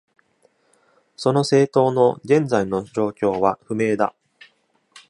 その政党の現在の状況は不明だ。